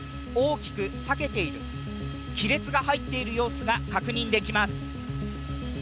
大きく裂けている、亀裂が入っている様子が確認できます。